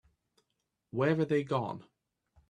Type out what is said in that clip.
Where are they gone?